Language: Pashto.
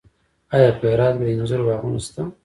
آیا په هرات کې د انځرو باغونه شته؟